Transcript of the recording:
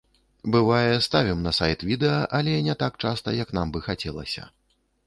Бывае, ставім на сайт відэа, але не так часта, як нам бы хацелася.